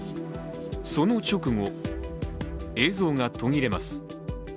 その直後、映像が途切れます。